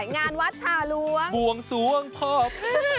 งานวัดท่าหลวงห่วงสวงพ่อค่ะ